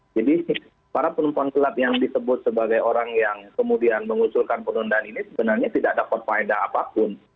jadi para penumpang gelap yang disebut sebagai orang yang kemudian mengusulkan penundaan ini sebenarnya tidak dapat faedah apapun